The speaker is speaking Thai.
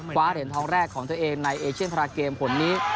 คว้าเหรียญทองแรกของเธอเองในเอเช่นทราเกมผลนี้